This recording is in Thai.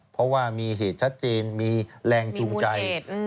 เพราะว่ามีเหตุชัดเจนมีแรงจูงใจ